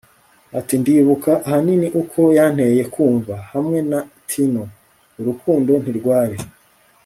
ati ndibuka ahanini uko yanteye kumva. hamwe na tino, urukundo ntirwari